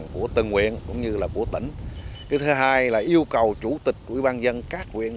còn lại tài diễn